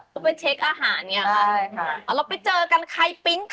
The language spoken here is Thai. เขาไปเช็กอาหารอย่างนี้คะเอาเราไปเจอกันใครปิ๊ง